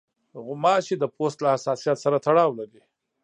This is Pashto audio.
غوماشې د پوست له حساسیت سره تړاو لري.